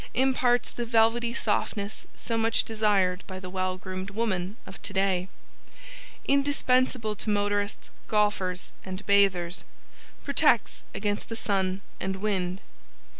Imparts the velvety softness so much desired by the well groomed woman of today. Indispensable to motorists, golfers and bathers. Protects against the sun and wind.